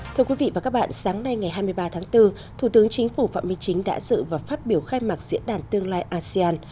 thưa quý vị và các bạn sáng nay ngày hai mươi ba tháng bốn thủ tướng chính phủ phạm minh chính đã dự và phát biểu khai mạc diễn đàn tương lai asean